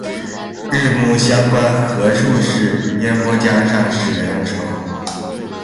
日暮乡关何处是？烟波江上使人愁。